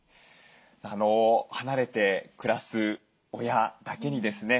離れて暮らす親だけにですね